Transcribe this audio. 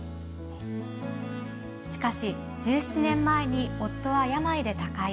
しかし１７年前に夫は病で他界。